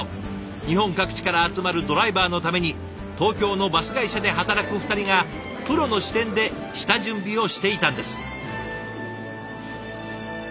日本各地から集まるドライバーのために東京のバス会社で働く２人がプロの視点で下準備をしていたんです。